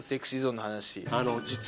ＳｅｘｙＺｏｎｅの話。